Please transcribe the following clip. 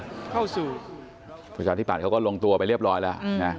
ภูกษาอธิปัจกรรมเขาก็ลงตัวไปเรียบร้อยแล้วนะครับ